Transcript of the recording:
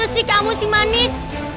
itu sih kamu si manis